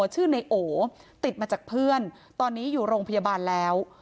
ชื่อในโอติดมาจากเพื่อนตอนนี้อยู่โรงพยาบาลแล้ว